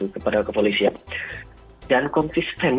kepada kepolisian dan konsisten